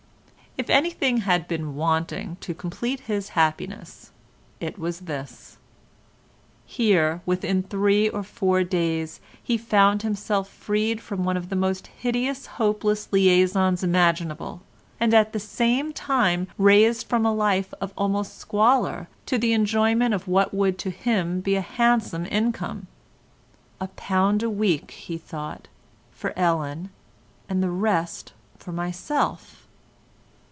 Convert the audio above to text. If anything had been wanting to complete his happiness it was this. Here, within three or four days he found himself freed from one of the most hideous, hopeless liaisons imaginable, and at the same time raised from a life of almost squalor to the enjoyment of what would to him be a handsome income. "A pound a week," he thought, "for Ellen, and the rest for myself."